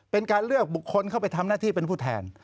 เป็นการเลือกบุคคลเข้าไปทำหน้าที่เป็นผู้แทน